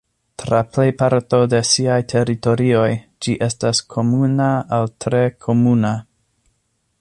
Tra plej parto de siaj teritorioj, ĝi estas komuna al tre komuna.